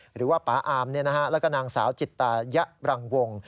หรือว่าป๊าอามแล้วก็นางสาวจิตตายะรังวง